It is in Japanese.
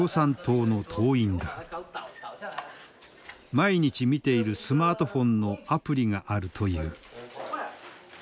毎日見ているスマートフォンのアプリがあるという。